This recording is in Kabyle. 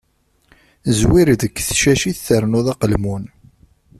Zwir deg tacacit, ternuḍ aqelmun.